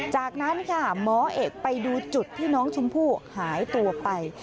จากนั้นค่ะหมอเอกไปดูจุดที่น้องชมพู่หายตัวไป